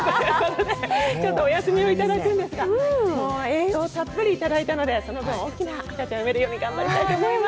ちょっとお休みをいただくんですが、英気をたっぷりいただいたので、その分大きな赤ちゃん産めるように頑張ります。